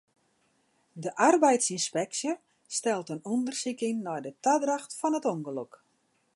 De arbeidsynspeksje stelt in ûndersyk yn nei de tadracht fan it ûngelok.